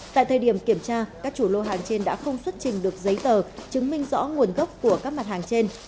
tại thời điểm kiểm tra các chủ lô hàng trên đã không xuất trình được giấy tờ chứng minh rõ nguồn gốc của các mặt hàng trên